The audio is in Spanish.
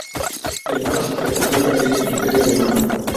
El match se jugó en Berlín, Imperio alemán.